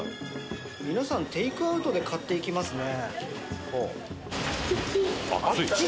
皆さんテイクアウトで買っていきますね。